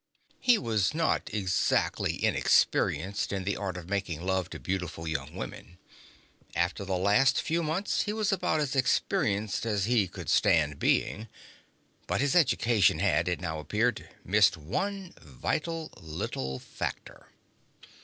He was not exactly inexperienced in the art of making love to beautiful young women. After the last few months, he was about as experienced as he could stand being. But his education had, it now appeared, missed one vital little factor.